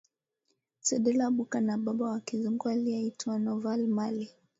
Cedella Booker na baba wa Kizungu aliyeitwa Norvall Marley